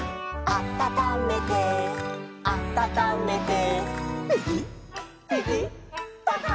「あたためてあたためて」